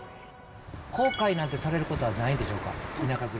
後悔なんてされることはないんでしょうか。